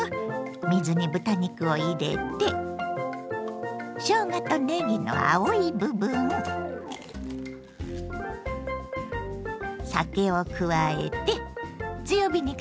水に豚肉を入れてしょうがとねぎの青い部分酒を加えて強火にかけます。